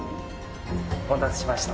お待たせしました。